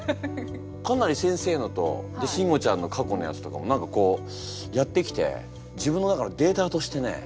かなり先生のとシンゴちゃんの過去のやつとかも何かこうやってきて自分の中のデータとしてね